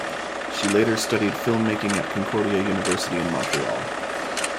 She later studied filmmaking at Concordia University in Montreal.